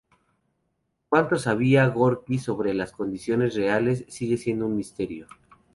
Cuánto sabía Gorki sobre las condiciones reales sigue siendo un misterio.